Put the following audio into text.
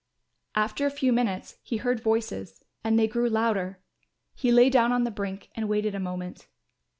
After a few minutes he heard voices and they grew louder; he lay down on the brink and waited a moment.